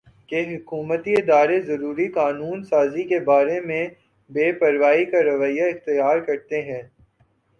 کہ حکومتی ادارے ضروری قانون سازی کے بارے میں بے پروائی کا رویہ اختیار کرتے ہیں